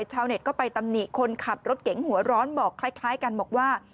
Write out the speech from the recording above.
ชาวเน็ตก็ไปตำหนิคนขับรถเก๋งหัวร้อนบอกคล้ายกันบอกว่า